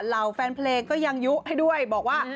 เหล่าแฟนเพลงก็ยังยุให้ด้วยบอกว่า